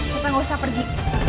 tante gak usah pergi